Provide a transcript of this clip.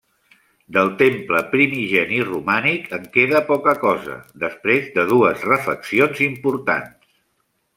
Del temple primigeni romànic, en queda poca cosa, després de dues refaccions importants.